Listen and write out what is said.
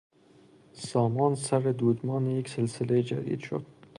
سامان سر دودمان یک سلسلهی جدید شد.